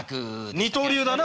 二刀流だな。